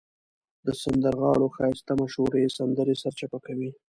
د سندرغاړو ښایسته مشهورې سندرې سرچپه کوي.